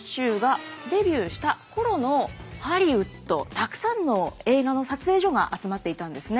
たくさんの映画の撮影所が集まっていたんですね。